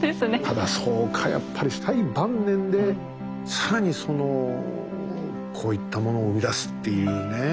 ただそうかやっぱり最晩年で更にこういったものを生み出すっていうね。